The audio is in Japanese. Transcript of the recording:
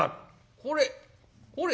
「これこれ」。